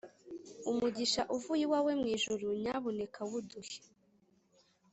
Umugisha Uvuy’ iwawe mw’ ijuru, Nyabuneka wuduhe.